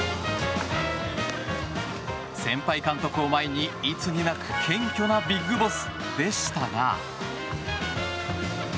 先輩監督を前にいつになく謙虚なＢＩＧＢＯＳＳでしたが。